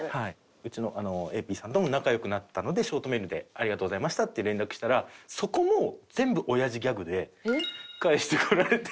うちのＡＰさんとも仲良くなったのでショートメールで「ありがとうございました」って連絡したらそこも全部親父ギャグで返してこられて。